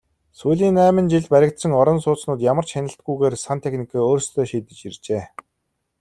Сүүлийн найман жилд баригдсан орон сууцнууд ямар ч хяналтгүйгээр сантехникээ өөрсдөө шийдэж иржээ.